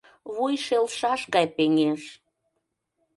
Вуй шелшаш гай пеҥеш...